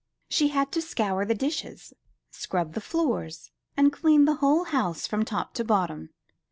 She had to scour the dishes, scrub the floors, and clean the whole house from top to bottom.